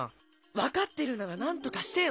分かってるなら何とかしてよ！